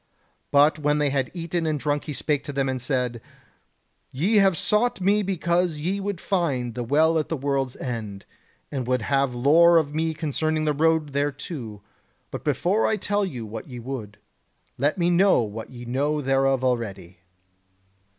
But when they had eaten and drunk he spake to them and said: "Ye have sought to me because ye would find the Well at the World's End, and would have lore of me concerning the road thereto; but before I tell you what ye would, let me know what ye know thereof already."